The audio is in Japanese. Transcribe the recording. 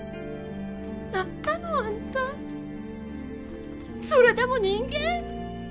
なんなのあんたそれでも人間？